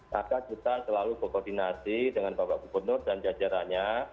maka kita selalu berkoordinasi dengan bapak gubernur dan jajarannya